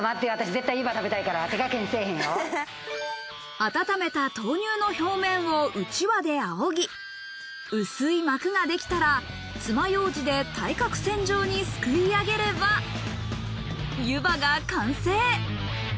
温めた豆乳の表面をうちわであおぎ、薄い膜ができたら、爪楊枝で対角線上にすくい上げれば、ゆばが完成。